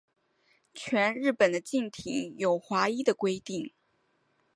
全日本的竞艇有划一的规定。